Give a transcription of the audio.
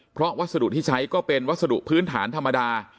เพราะวัสดุที่ใช้ก็เป็นวัสดุพื้นฐานธรรมดา